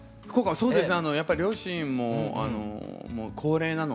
そうですね。